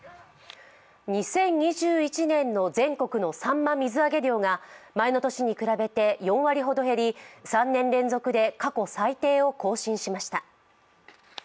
２０２１年の全国のさんま水揚げ量が前の年に比べて４割ほど減り、３年連続で過去最低を更新しました。